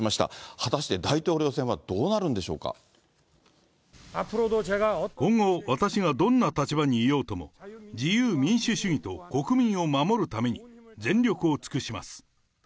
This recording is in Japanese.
果たして大統領選はどうなるんで今後、私がどんな立場にいようとも、自由民主主義と国民を守るために全力を尽くします。